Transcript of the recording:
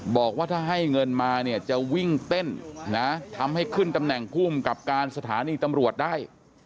บอกว่าถ้าให้เงินมาเนี่ยจะวิ่งเต้นนะทำให้ขึ้นตำแหน่งภูมิกับการสถานีตำรวจได้